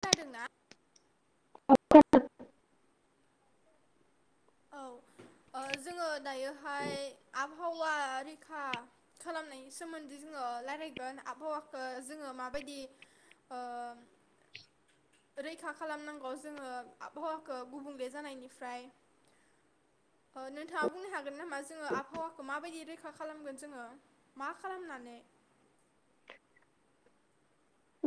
खोनादोंना? अ [inaudible] औ ओ जोङो दायोहाय आबहावा रैखा खालामनायनि सोमोन्दै जोङो रायलायगोन आबहावाखौ जोङो माबायदि ओ रैखा खालामनांगौ जोङो आबहावाखौ गुबुंले जानायनिफ्राय। नोंथाङा बुंनो हागोन नामा जोङो आबहावाखौ माबायदि रैखा खालामगोन जोङो मा खालामनानै।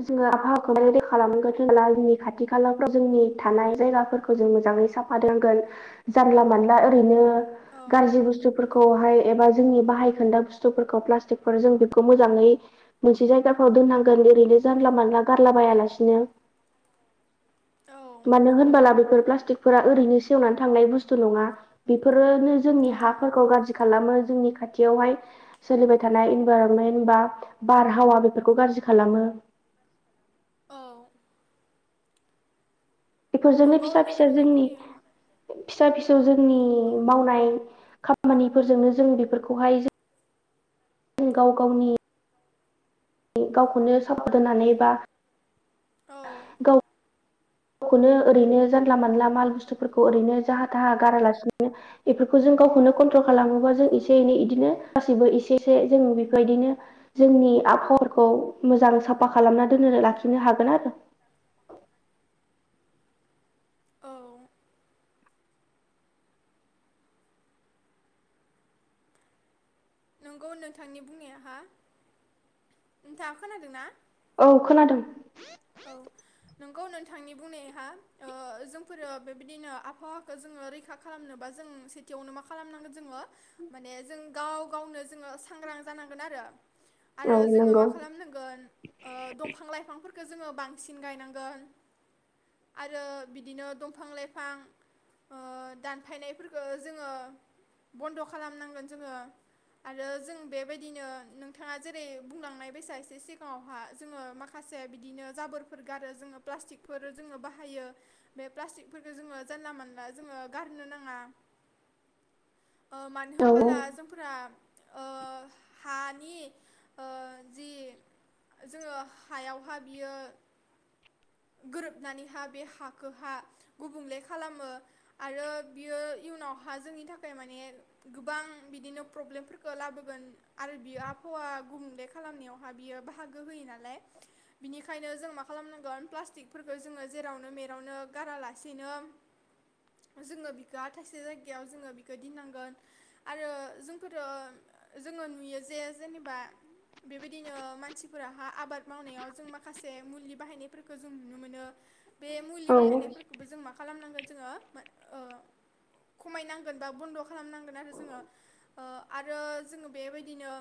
जोङो आबहावाखौ र खालामगोनला जोंनि खाथि खालाफ्राव जोंनि थानाय जायगाफोरखौ जों मोजाङै साफा दांगोन, जानला मानला ओरैनो औ गाज्रि बुस्थुफोरखौहाय एबा जोंनि बाहाय खोन्दा बुस्थुफोरखौ प्लास्टिक फोर जों बेखौ मोजाङै मोनसे जायगाफ्राव दोननांगोन ओरैनो। जानला मानला गारला बायालासिनो। औ मानो होनबोला बेफोर प्लास थिखफोरा ओरैनो सेवना थांनाय बस्थु नङा बेफोर। नो जोंनि औ हाफोरखौ गाज्रि खालामो। जोंनि खाथियावहाय सोलिबाय थानाय इनभाइरमेन्ट बा बारहावा बेफोरखौ गाज्रि खालामो। औ बेफोरजोंनो नंगौ फिसा फिसा नोंथांनि जोंनि बुंनाया फिसा फि [unintelligible] नि औ मावनाय मानिफोरजोंनो जों बेफोरखौहाय जों जों गाव गावनि गावखौनो सापर्ट होनानै बा औ गाव गावखौनो ओरैनो जानला मानला माल बुस्थुफोरखौ ओरैनो जाहा थाहा गारालासिनोनो बेफोरखौ जों गावखौनो कन्ट्रल खालामोबा जों एसे एनै बिदिनो गासैबो एसे एसे जों बेफोरबायदिनो जोंनि आबहावाफोरखौ मोजां साफा खालामना दोन लाखिनो हागोन आरो। औ नंगौ नोंथांनि बुंनाया हा नोंथा खोनादों ना? औ खोनादों। औ नंगौ नोंथांनि बुंनायहा ओ जोंफोरो बेबायदिनो आबहावाखौ जोङो रैखा खालामनोबा जों सेथियावनो मा खालामनांगोन जोङो माने जों गाव गावनो जोङो सांग्रां जानांगोन आरो। औ आरो जोङो नंगौ मा खालामनांगोन ओ दंफां लाइफांफोरखौ खो जोङो बांसिन गायनांगोन आरो बिदिनो दंफां लाइफां ओ दानफायनायफोरखौ जोङो बन्द' खालामनांगोन जोङो आरो जों बेबायदिनो नोंथाङा जेरै बुंलांनाय बैसा एसे सिगाङावहा जोङो माखासे थिनो जाबोरफोर गारो जोङो प्लासटिकफोर बाहायो बे प्लासटिकफोरखौ जानला मोनला जोङो गारनो नाङा। ओ मानो औ होनबोला जोंफोरा ओ हानि ओ जि जोङो हायाव फा बियो गोरोबनानैहा बे हाखौहा गुबुंले खालामो आरो बियो इयुनावहा जोंनि थाखाय माने गोबां बिदिनो प्रब्लेमफोरखौ लाबोगोन आरो बियो आबहावा गुबुंले खालामनायावहा बियो बाहागो होयो नालाय। बिनिखायनो जों मा खालामनांगोन प्लास्टिकफोरखौ जोङो जेरावनो मेरावनो गारालासेनो जोङो बिखौहा थाइसे जायगायाव जोङो बिखौ दनांगोन आरो जोंफोर जोङो नुयो जे जेनेबा बेबायदिनो मानसिफोराहा आबाद मावनायाव जों माखासे मुलि बाहायनायफोरखौ जों नुनो मोनो। बे मुलि औ बाहायनायफोरखौबो जों मा खालामनांगोन जोङो मा ओ खमायनांगोन बा बन्द खालामनांगोन आरो जोङो बेबायदिनो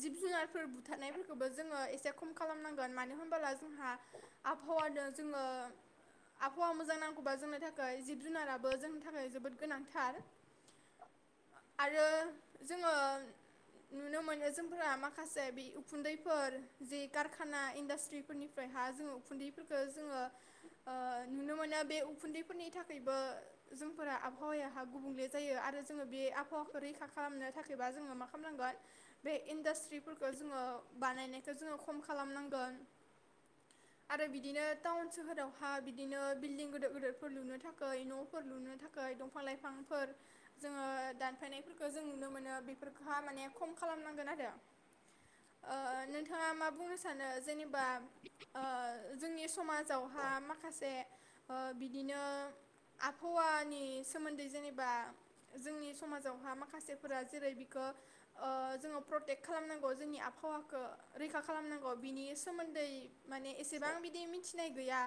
जुनारफोर बुथारनायफोरखौ जोङो एसे खम खम खालामनांगोन मानो होनबाला जों हा आबहावानो जोङो आबहावा मोजां नांगौबा जोंनि थाखाय जिब जुनाराबो जोंनि थाखाय जोबोद गोनांथार आरो जोङो नुनो मोनो जोंफोरा माखासे बे उखुन्दैफोर जे कारखाना इन्डास्ट्रिफोरनिफ्राय हा जोङो उखुन्दै फोरखो जोङो ओ नुनो मोनो। बे उखुन्दैफोरनि थाखायबो जोंफोरा आबहावाया हा गुबुंले जायो आरो जोङो बे आबहावाखौ रैखा खालामनो थाखायोबा जोङो मा नांगोन बे इन्डास्ट्री फोरखौ जोङो बानायनाय। जोङो खम खालामनांगोन आरो बिदिनो टाउन सोहोरावहा बिदिनो बिल्डं गिदिर गिदिरफोर लुनो थाखाय न'फोर लुनो थाखाय दंफां लाइफांफोर जोङो दानफायनायफोरखौ जों नुनो मोनो बेफोर। हा माने खम खालामनांगोन आरो। ओ नोंथाङा मा बुंनो सानो जेनेबा ओ जोंनि समाजावहा माखासे ओ बिदिनो आबहावानि सोमोन्दै जेनेबा जोंनि समाजावहा माखासेफोरा जेरै बिखो ओ जोङो प्रटेक्ट खालामनांगौ जोंनि आबहावाखो। रैखा खालामनांगौ बिनि सोमोन्दै। माने एसेबां बिदि मिथिनाय गैया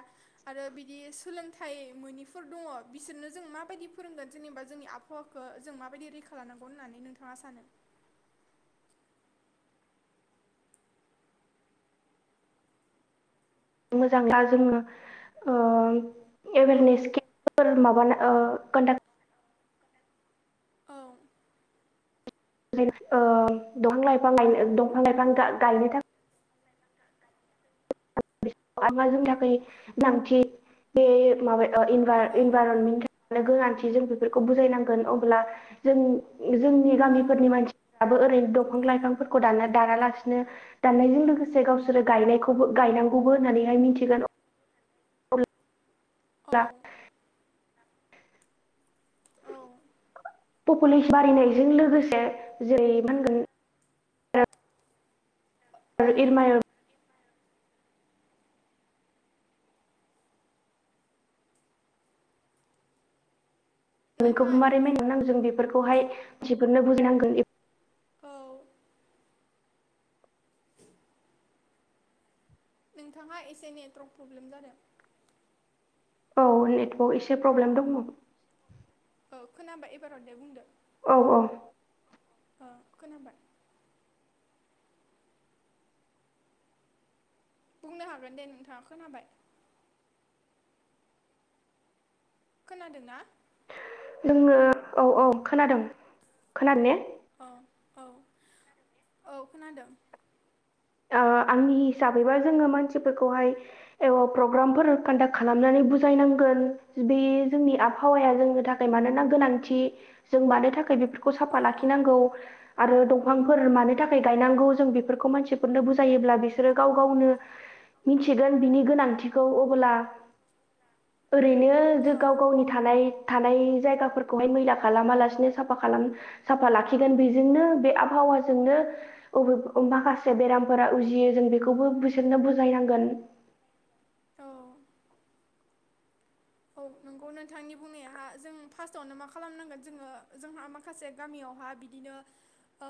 आरो बिदि सोलोंथाइ मोनिफोर दङ बिसोरनो जों माबायदि फोरोंगोन जेनेबा जोंनि आबहावाखौ जों माबायदि रैखा लानांगौ होननानै नोंथाङा सानो? मोजां दा जोङो ओ औ [unintelligible] ओ कन्डाक्ट। औ। ओ दंफां लाइफां गा-गायनो थाखाय आंहा जोंनि थाखाय गोनांथि बे माबा औ इनभाइरनमेन्टनि थाखायनो गोनांथि जों बेफोरखौ बुजायनांगोन अब्ला जों जोंनि औ गामिफोरनि मानसिफ्राबो ओरैनो। दंफां लाइफांफोरखौ दाना दानालासिनो दनायजों लोगोसे गावसोरो गनायबो गनांगौ। खौबो होननानैहाय मिथिगोन। औ। अब्ला औ। पपुलेसन बारायनायजों लोगोसे जेरै मा होनगोन। औ आरो इरमायर। नोंथाङा [unintelligible] मारैनायनो नांगौ जों बेफोरखौ खौहाय। सिफोरनो बुजिनांगोन। औ नोंथाङहा एसे नेटद्रब प्रब्लेम जादों। औ नेटवर्क एसे प्रब्लेम दङ। औ खोनाबा एबाराव दे बुंदो। औ औ। ओ खोनाबाय। बुंनो हागोन दे नोंथाङा खोनाबाय। खोनादोंना? जोंनो औ औ खोनादों खोनादों ने? औ औ औ खोनादों। आंनि हिसाबैबा जोङो मानसिफोरखौहाय प्रग्रामफोर कन्डाक्ट खालामनानै बुजायनांगोन बे जोंनि आबहावाया जोंनि थाखाय मानोना गोनांथि जों मानो थाखाय बेफोर। खौ साफा औ लाखिनांगौ। आरो दंफांफोर मानो थाखाय गायनांगौ जों बेफोरखौ मानसि। फोरनो बुजायोब्ला बिसोरो गाव-गावनो मिथिगोन बिनि गोनांथिखौ अब्ला। ओरैनो जो औ गाव-गावनि थानाय। थानाय जायगाफोरखौहाय मैला खालामा लासिनो साफा खालाम साफा लाखिगोन बेजोंनो बे आबहावाजोंनोे माखासे। खासे बेरामफोरा उजियो जों बेखौबो बिसोरनो बुजायनांगोन। औ औ नंगौ नोंथांनि बुंनायाहा जों फार्स्टआवनो मा खालामनांगोन जोङो जोंहा माखासे गामियावहा बिदिनो ओ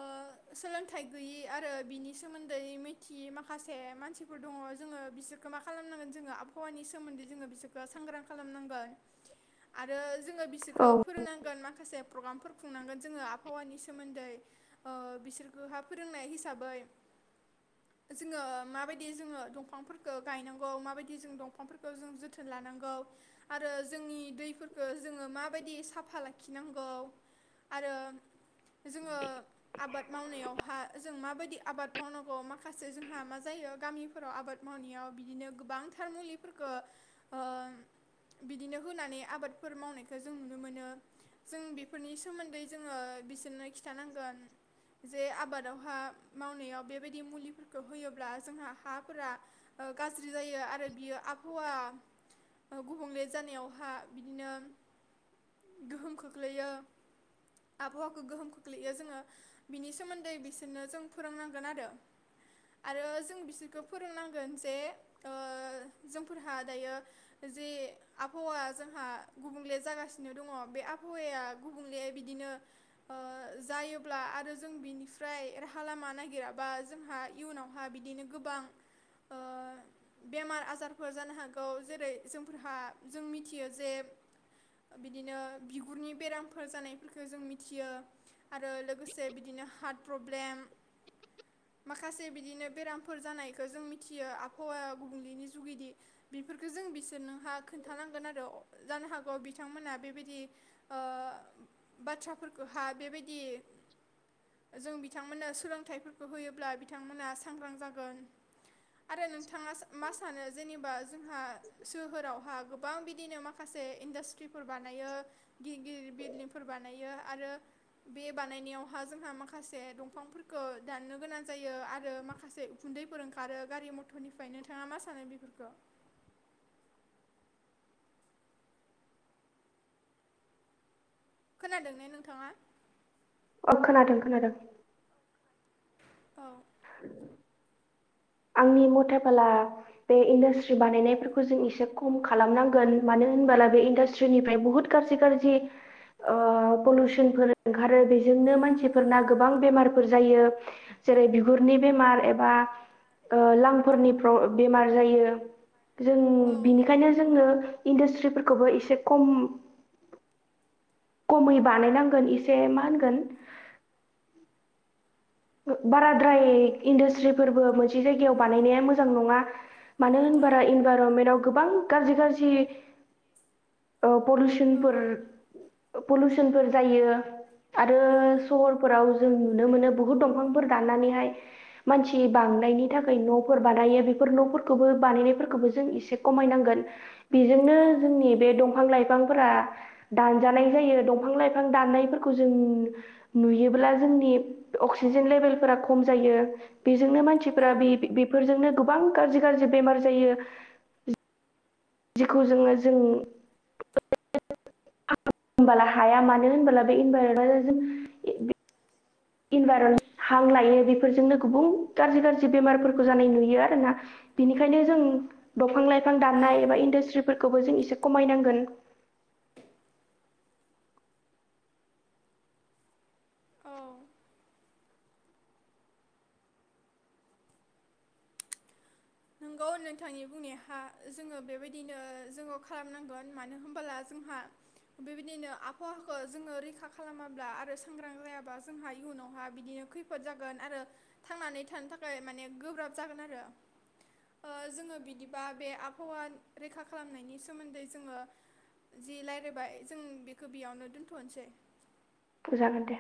सोलोंथाइ गैयि आरो बिनि सोमोन्दै मिथियै माखासे मानसिफोर दङ जोङो बिसोरखो मा खालामनांगोन जोङो आबहावानि सोमोन्दै जोङो बिसोरखो सांग्रां। खालामनांगोन आरो। जोङो औ बिसोरखौ फोरोंनांगोन माखासे प्रग्रामफोर खुंनांगोन जोङो आबहावानि सोमोन्दै बिसोरखौहा फोरोंनाय हिसाबै जोङो माबायदि जोङो दंफांफोरखौ गायनांगौ माबायदि जों दंफांफोरखौ जों जोथोन लानांगौ आरो जोंनि दैफोरखौो जोङो माबायदि साफा लाखिनांगौ आरो जोङो आबाद मावनायावहा जों माबायदि आबाद मावनांगौ माखासे जोंहा मा जायो गामिफोराव आबाद मावनायाव बिदिनो गोबांथार मुलिफोरखौ बिदिनो होनानै आबादफोर मावनायखौ जों नुनो मोनो जों बेफोरनि सोमोन्दै जोङो बिसोरनो खिन्थानांगोन जे आबादावहा मावनायाव बेबायदि मुलिफोरखौ होयोब्ला जोंहा हाफोरा गाज्रि जायो आरो बियो आबहावा गुबुंले जानायावहा बिदिनो गोहोम खोख्लैयो आबहावाखौ गोहोम खोख्लैयो जोङो बिनि सोमोन्दै बिसोरनो जों फोरोंनांगोन आरो आरो जों बिसोरखौ फोरोंनांगोन जे जोंफोरहा दायो जे आबहावाया जोंहा गुबुंले जागासिनो दङ बे आबहावाया गुबुंले बिदिनो जायोब्ला आरो जों बिनिफ्राय राहा लामा नागिराबा जोंहा इयुनावहा बिदिनो गोबां बेमार आजारफोर जानो हागौ जेरै जोंफोरहा जों मिथियो जे बिदिनो बिगुरनि बेरामफोर जानायफोरखौ जों मिथियो आरो लोगोसे बिदिनो हार्ट प्रब्लेम माखासे बिदिनो बेरामफोर जानायखौ जों मिथियो आबहावा गुबुंैनि जुगिदि बेफोरफोरखौो जों बि नोंहा खोन्थानांगोन आरो जानो हागौ बिथांमोना बेबायदि बाथ्राफोरखौह बेबायदि जों बिथांमोननो सोलोंथाइफोरखौ होयोब्ला बिथांमोना सांग्रां जागोन आरो नोंथाङा मा सानो जेनेबा जोंहा फोरावहा गोबां बिदिनो माखासे इन्डास्ट्रिफोर बानायो गिदिर गिदिर बिल्डिंफोर बानायो आरो बे बानायनायावहा जोंहा माखासे दंफांफोरखौ दाननो गोनां जायो आरो माखासे उखुन्दैफोर ओंखारो गारि मथरनिफ्राय नोंथाङा मा सानो बेफोरखौ खोनादों ने नोंथाङा अ खोनादों खोनादों औ आंनि मथाफला बे इन्डास्ट्रि बानायनायफोरखौ जों एसे खम खालामनांगोन मानो होनबोला बे इन्डास्ट्रिनिफ्राय बुहुत गाज्रि गाज्रि पलिउसनफोर ओंखारो बेजोंनो मानसिफोरना गोबां बेमारफोर जायो जेरै बिगुरनि बेमार एबा ओ लांफोरनि बेमार जायो जों औ बिनिखायनो जोंनो इन्डास्ट्रिफोरखौबो एसे खम खमै बानायनांगोन एसे मा होनगोन बाराद्राय इन्डासट्रिफोरबो मोनसे जायगायाव बानायनाया मोजां नङा। मानो औ होनबा इनभाररमेन्टव गोबां गाज्रि गाज्रि ओ औ पलिउसनफोर पलुसनफोर जायो। आरो औ सहरफोराव जों नुनो मोनो बुहु दंफांफोर दनानैहाय मानसि बांनायनि थाखाय न'फोर बानायो बेफोर न'फोरखौबो बानायनायफोरखौबो जों एसे खमायनांगोन बेजोंनो औ जोंनि बे दंफां लाइफां बिफांफोरा दानजानाय जायो दंफां लाइफां दाननायफोरखौ जों नुयोब्ला जोंनि अक्सिजेन लेभेलफोरा खम जायो बेजोंनो औ मानसिफोरा बे बेफोरजोंनो गोबां गाज्रि गाज्रि बेमार जायो। जेखौ जोङो जों हाया मानो होनबोला बे इनभाइरनमेन्टआ जों इनभाइन हां लायो बेफोरजोंनो गुबबां गाज्रि गाज्रि बेमारफोरखौ जानाय नुयो आरोना बिनिखायनो जों दंफां लाइ बिफां दाननाय एबा इन्डास्ट्रिफोरखौबो जों इ से खमायनांगोन औ नोंगौ नोंथांनि बुंनायहा जोङो बेबायदिनो जोङो खालामनांगोन मानो होनबोला जोंहा बेबायदिनो आबहावाखौ जोङो रैखा खालामाब्ला आरो सांग्रां जायाब्ला जोंहा इयुनावहा बिदिनो खैफोद जागोन आरो थांनानै थानो थाखाय माने गोब्राब जागोन आरो। जोङो बिदिबा बे आबहावा रैखा खालामनायनि सोमोन्दै जोङो जि रायज्लायबाय जों बेखौ बेयावनो दोन्थ'नोसै बुजागोन दे